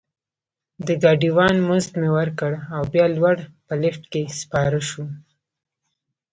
د ګاډي وان مزد مې ورکړ او بیا لوړ په لفټ کې سپاره شوو.